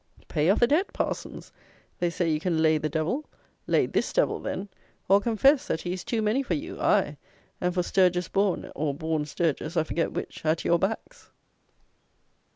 Pay off the Debt, parsons! They say you can lay the devil. Lay this devil, then; or, confess that he is too many for you; aye, and for Sturges Bourne, or Bourne Sturges (I forget which), at your backs!